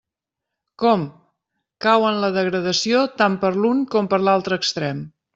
Com!, cau en la degradació tant per l'un com per l'altre extrem!